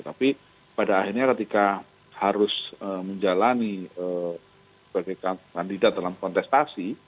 tapi pada akhirnya ketika harus menjalani sebagai kandidat dalam kontestasi